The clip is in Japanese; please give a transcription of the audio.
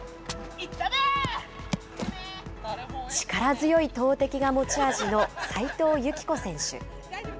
力強い投てきが持ち味の齋藤由希子選手。